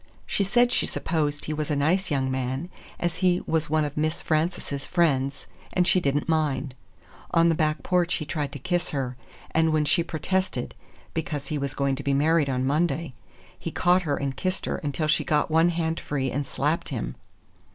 She said she supposed he was a nice young man, as he was one of Miss Frances's friends, and she did n't mind. On the back porch he tried to kiss her, and when she protested,—because he was going to be married on Monday,—he caught her and kissed her until she got one hand free and slapped him.